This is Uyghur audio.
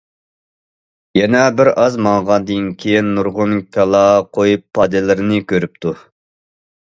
يەنە بىر ئاز ماڭغاندىن كېيىن نۇرغۇن كالا، قوي پادىلىرىنى كۆرۈپتۇ.